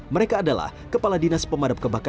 mereka adalah kepala dinas pemerintah kabupaten bekasi